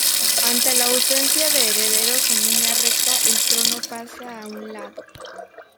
Ante la ausencia de herederos en línea recta, el trono pasa a un lado.